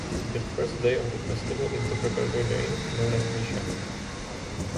The first day of the festival is the preparatory day known as "Nisha".